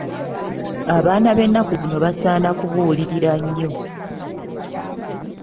Abaana b'ennaku zino basaana kubuulirira nnyo.